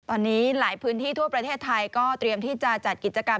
ตอนนี้หลายพื้นที่ทั่วประเทศไทยก็เตรียมที่จะจัดกิจกรรม